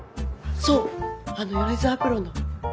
そうあの米沢プロの。